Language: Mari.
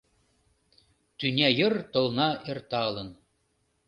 «Тӱня йыр толна эрталын